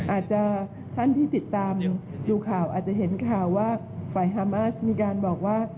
อาจจะท่านที่ติดตามดูข่าวอาจจะเห็นข่าวว่าฝ่ายฮามาสมีการบอกว่า